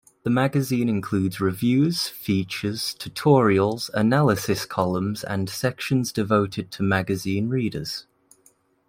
The magazine includes reviews, features, tutorials, analysis columns and sections devoted to magazine readers.